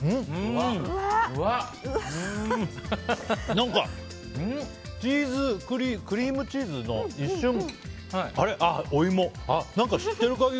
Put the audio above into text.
何か、クリームチーズの一瞬、お芋。